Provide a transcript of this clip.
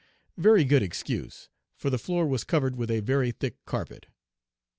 Very good excuse, for the floor was covered with a very thick carpet.